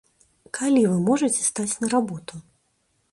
Калі вы можаце стаць на работу?